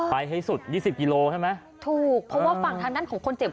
ให้สุดยี่สิบกิโลใช่ไหมถูกเพราะว่าฝั่งทางด้านของคนเจ็บ